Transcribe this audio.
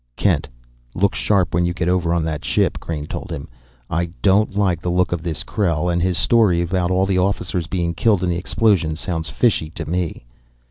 "Kent, look sharp when you get over on that ship," Crain told him. "I don't like the look of this Krell, and his story about all the officers being killed in the explosion sounds fishy to me."